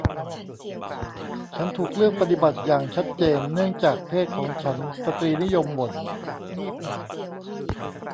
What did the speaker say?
ฉันถูกเลือกปฏิบัติอย่างชัดเจนเนื่องจากเพศของฉันสตรีนิยมบ่น